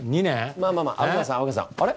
まあまあまあ虻川さん虻川さんあれ？